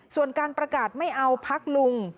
ส่วนการประกาศไม่เอาพักลุง